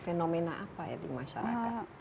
fenomena apa ya di masyarakat